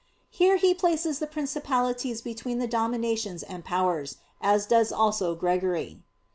Here he places the "Principalities" between "Dominations" and "Powers," as does also Gregory.